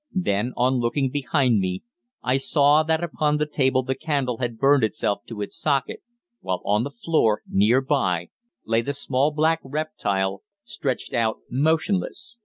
Then, on looking behind me, I saw that upon the table the candle had burned itself to its socket, while on the floor, near by, lay the small black reptile stretched out motionless.